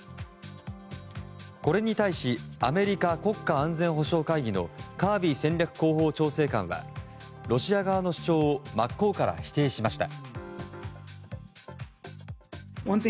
これに対しアメリカ国家安全保障会議のカービー戦略広報調整官はロシア側の主張を真っ向から否定しました。